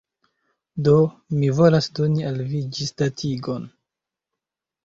Do. Mi volas doni al vi ĝisdatigon